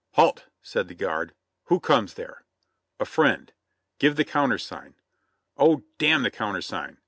"Halt," said the guard. "Who comes there?" "A friend." "Give the countersign." "Oh, d — n the countersign